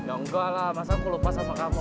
enggak lah masa aku lupa sama kamu